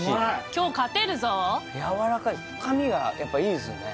今日勝てるぞやわらかい深みがやっぱいいですよね